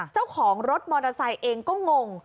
เจ้าของรถมอเตอร์ไซค์เองก็งง